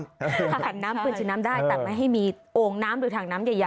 ถ้าหันน้ำคืนฉีดน้ำได้แต่ไม่ให้มีโอ่งน้ำหรือถังน้ำใหญ่